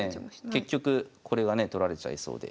結局これがね取られちゃいそうで。